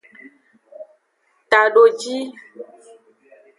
Tadojii.